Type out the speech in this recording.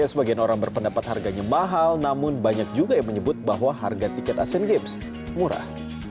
sebagian orang berpendapat harganya mahal namun banyak juga yang menyebut bahwa harga tiket asian games murah